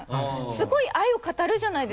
すごい愛を語るじゃないですか。